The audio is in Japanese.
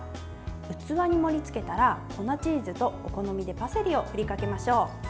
器に盛りつけたら粉チーズとお好みでパセリを振りかけましょう。